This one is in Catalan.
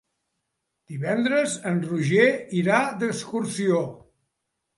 Divendres en Roger irà d'excursió.